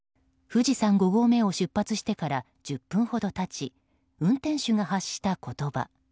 富士山５合目を出発してから１０分ほど経ち運転手が発した言葉。